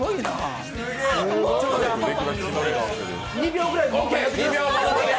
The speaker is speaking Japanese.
２秒ぐらい抜け。